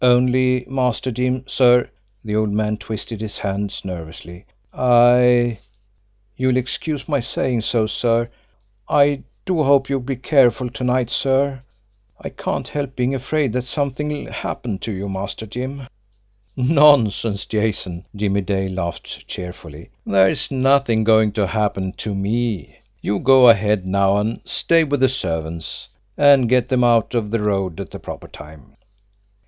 "Only, Master Jim, sir" the old man twisted his hands nervously "I you'll excuse my saying so, sir I do hope you'll be careful to night, sir. I can't help being afraid that something'll happen to you, Master Jim." "Nonsense, Jason!" Jimmie Dale laughed cheerfully. "There's nothing going to happen to me! You go ahead now and stay with the servants, and get them out of the road at the proper time."